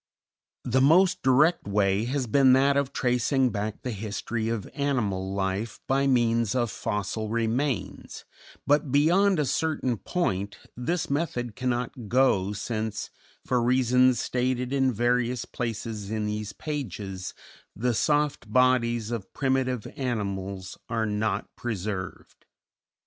The most direct way has been that of tracing back the history of animal life by means of fossil remains, but beyond a certain point this method cannot go, since, for reasons stated in various places in these pages, the soft bodies of primitive animals are not preserved.